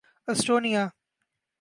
Estonia